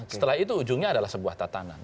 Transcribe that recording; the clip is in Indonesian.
setelah itu ujungnya adalah sebuah tatanan